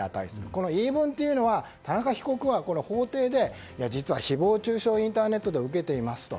この言い分というのは田中被告は法廷で誹謗中傷をインターネットで受けていますと。